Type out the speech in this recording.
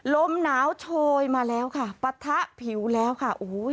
ลมหนาวโชยมาแล้วค่ะปะทะผิวแล้วค่ะโอ้โห